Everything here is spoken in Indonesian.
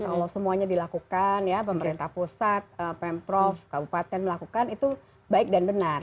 kalau semuanya dilakukan ya pemerintah pusat pemprov kabupaten melakukan itu baik dan benar